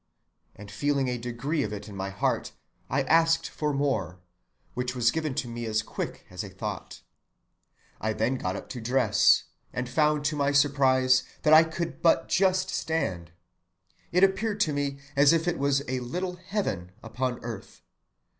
and, feeling a degree of it in my heart, I asked for more, which was given to me as quick as thought. I then got up to dress myself, and found to my surprise that I could but just stand. It appeared to me as if it was a little heaven upon earth.